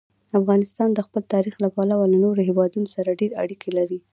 افغانستان د خپل تاریخ له پلوه له نورو هېوادونو سره ډېرې اړیکې لري.